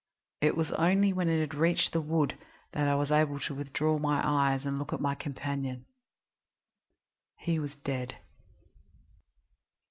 It was only when it had reached the wood that I was able to withdraw my eyes and look at my companion. He was dead."